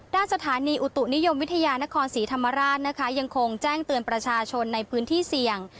ด้านสถานีอุตุนิยมวิทยานครศรีธรรมราชนะคะยังคงแจ้งเตือนประชาชนในพื้นที่เสี่ยง